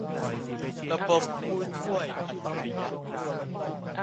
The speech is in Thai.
ระบบผู้ช่วยอัจฉริยะ